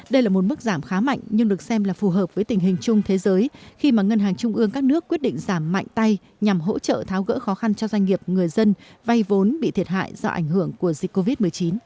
đây là một mức giảm khá mạnh nhưng được xem là phù hợp với tình hình chung thế giới khi mà ngân hàng trung ương các nước quyết định giảm mạnh tay nhằm hỗ trợ tháo gỡ khó khăn cho doanh nghiệp người dân vay vốn bị thiệt hại do ảnh hưởng của dịch covid một mươi chín